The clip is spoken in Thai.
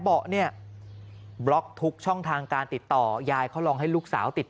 เบาะเนี่ยบล็อกทุกช่องทางการติดต่อยายเขาลองให้ลูกสาวติด